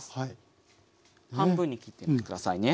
半分に切って下さいね。